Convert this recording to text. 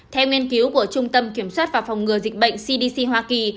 theo nghiên cứu của trung tâm kiểm soát và phòng ngừa dịch bệnh cdc hoa kỳ